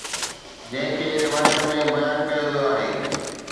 جنهن کي روايت ۾ بيان ڪيو ويو آهي